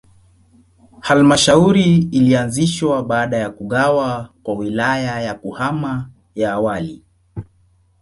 Halmashauri ilianzishwa baada ya kugawa kwa Wilaya ya Kahama ya awali.